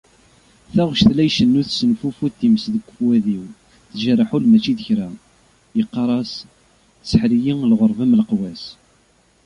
Taɣect la icennu tessenfufud times deg wefwad-iw, tejreḥ ul macci d kra. Yeqqar-as: tseḥr-iyi lɣurba m leqwas…